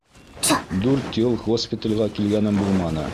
— Дүрт йыл госпиталгә килгәнем булманы.